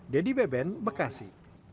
dedy beben bekasi